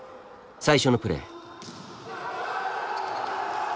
最初のプレー。